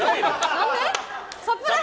何で？